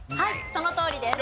そのとおりです。